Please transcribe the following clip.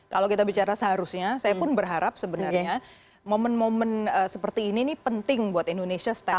kalau kita bicara seharusnya saya pun berharap sebenarnya momen momen seperti ini penting buat indonesia step up ya